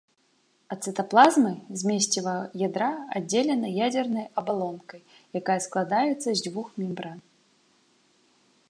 Ад цытаплазмы змесціва ядра аддзелена ядзернай абалонкай, якая складаецца з дзвюх мембран.